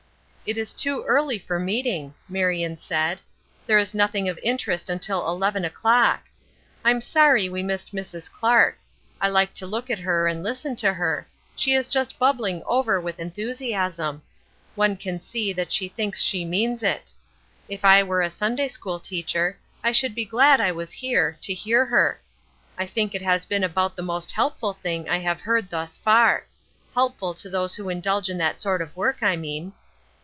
"It is too early for meeting," Marion said. "There is nothing of interest until 11 o'clock. I'm sorry we missed Mrs. Clark. I like to look at her and listen to her; she is just bubbling over with enthusiasm. One can see that she thinks she means it. If I were a Sunday school teacher I should be glad I was here, to hear her. I think it has been about the most helpful thing I have heard thus far; helpful to those who indulge in that sort of work, I mean."